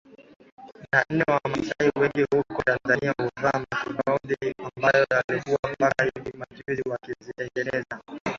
na nne Wamasai wengi huko Tanzania huvaa makubadhi ambayo walikuwa mpaka hivi majuzi wakizitengeneza